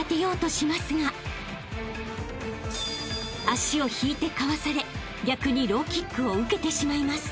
［足を引いてかわされ逆にローキックを受けてしまいます］